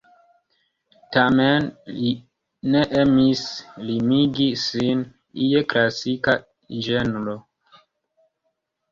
Tamen li ne emis limigi sin je klasika ĝenro.